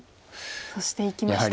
そしていきました。